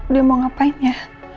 dia mau ngapain ya